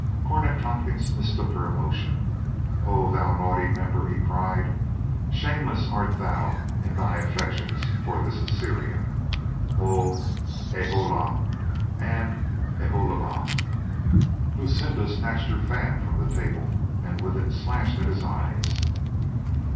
Cornet Tompkins mistook her emotion. "Oh, thou naughty member!" he cried. "Shameless art thou in thy affections for this Assyrian ! Oh, Aholah and Aholibah !" Lucinda snatched her fan from the table and with it slashed at his eyes.